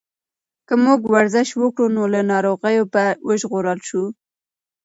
که موږ ورزش وکړو نو له ناروغیو به وژغورل شو.